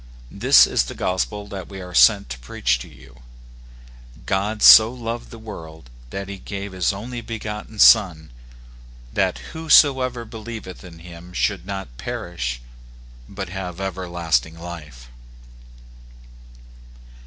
This is the gospel that we are sent to preach to you —" God so loved the world that he gave his only begotten Son, that whosoever believeth in him should not perish, but have everlasting life."